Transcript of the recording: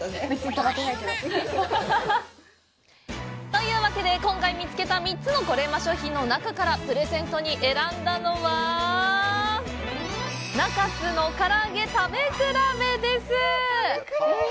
というわけで、今回見つけた３つのコレうま商品の中からプレゼントに選んだのは中津からあげ、食べ比べです！